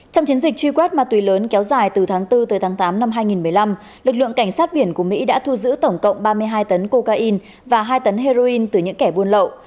trong chiến dịch truy quét ma túy lớn kéo dài từ tháng bốn tới tháng tám năm hai nghìn một mươi năm lực lượng cảnh sát biển của mỹ đã thu giữ tổng cộng ba mươi hai tấn cocaine và hai tấn heroin từ những kẻ buôn lậu